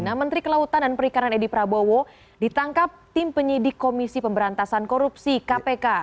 nah menteri kelautan dan perikanan edi prabowo ditangkap tim penyidik komisi pemberantasan korupsi kpk